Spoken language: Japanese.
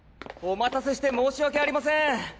お待たせして申し訳ありません。